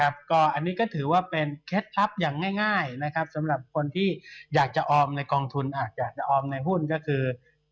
อันนี้ก็ถือว่าเป็นเคล็ดลับอย่างง่ายนะครับสำหรับคนที่อยากจะออมในกองทุนอาจจะออมในหุ้นก็คือ